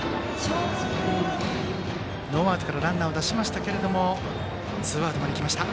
ノーアウトからランナーを出しましたがツーアウトまできました。